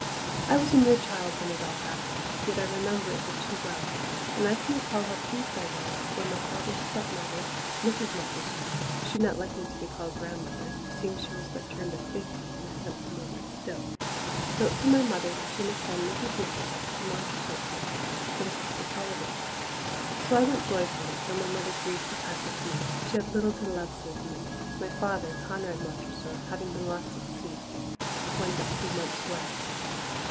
I was a mere child when it all happened, yet I remember it but too well, and I can recall how pleased I was when my father's stepmother, Mrs. Montressor she not liking to be called grandmother, seeing she was but turned of fifty and a handsome woman still wrote to my mother that she must send little Beatrice up to Montressor Place for the Christmas holidays. So I went joyfully though my mother grieved to part with me; she had little to love save me, my father, Conrad Montressor, having been lost at sea when but three months wed.